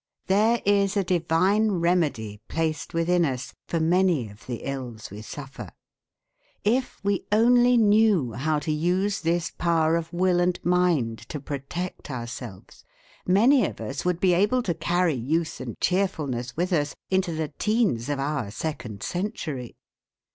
There is a divine remedy placed within us for many of the ills we suffer. If we only knew how to use this power of will and mind to protect ourselves, many of us would be able to carry youth and cheerfulness with us into the teens of our second century.